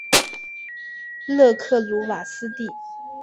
勒克鲁瓦斯蒂。